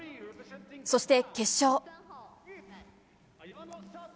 そして、決勝。